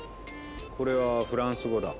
これはフランス語だ。